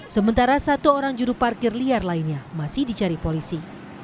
sementara satu orang juru parkir liar lainnya masih dicari polisi